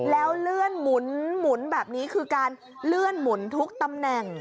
แล้วเลื่อนหมุนแบบนี้คือการเลื่อนหมุนทุกตำแหน่ง